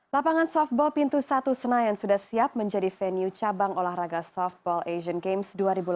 lapangan softball pintu satu senayan sudah siap menjadi venue cabang olahraga softball asian games dua ribu delapan belas